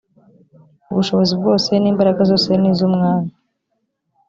ubushobozi bwose n ‘imbaraga zose nizumwami.